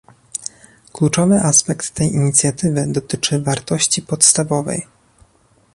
Kluczowy aspekt tej inicjatywy dotyczy wartości podstawowej